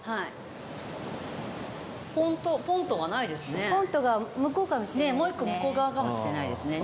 ねえもう１個向こう側かもしれないですね。